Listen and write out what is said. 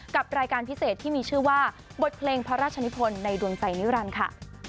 กับรายการพิเศษที่มีชื่อว่าบทเพลงพระราชนิพลในดวงใจนิรันดิ์ค่ะ